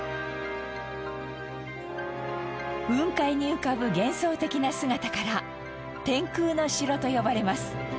雲海に浮かぶ幻想的な姿から天空の城と呼ばれます。